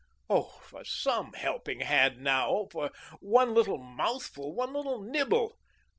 Oh, for some helping hand now, oh, for one little mouthful, one little nibble!